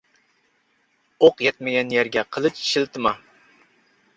ئوق يەتمىگەن يەرگە قىلىچ شىلتىما.